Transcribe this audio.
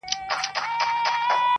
نه مي خوښيږي په نکريځو د دلبر لاسونه